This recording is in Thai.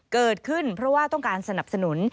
เกิดขึ้นเพราะว่าต้องการสนับสนุน